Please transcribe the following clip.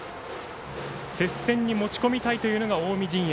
接戦に持ち込みたいというのが近江陣営